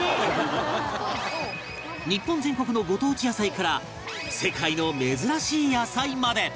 日本全国のご当地野菜から世界の珍しい野菜まで